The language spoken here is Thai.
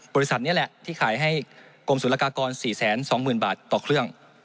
บริษัทนี้แหละที่ขายให้กรมศุลกากร๔๒๐๐๐บาทต่อเครื่อง